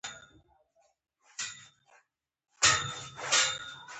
د پلوشه راغلل مثال یې هم راووړ.